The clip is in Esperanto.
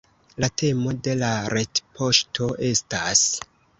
La temo de la retpoŝto estas